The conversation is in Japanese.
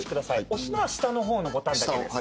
押すのは下の方のボタンだけです。